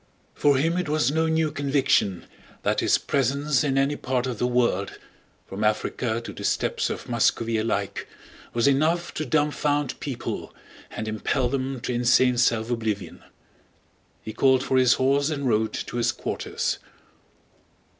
For him it was no new conviction that his presence in any part of the world, from Africa to the steppes of Muscovy alike, was enough to dumfound people and impel them to insane self oblivion. He called for his horse and rode to his quarters.